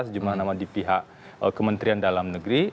sejumlah nama di pihak kementerian dalam negeri